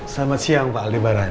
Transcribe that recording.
selamat siang pak aldebaran